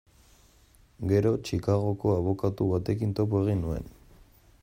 Gero, Chicagoko abokatu batekin topo egin nuen.